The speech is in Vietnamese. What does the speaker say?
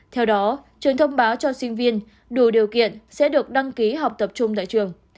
theo đó trường thông báo cho sinh viên đủ điều kiện sẽ được đăng ký học tập trung tại trường